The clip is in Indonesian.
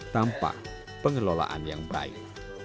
tanpa pengelolaan yang baik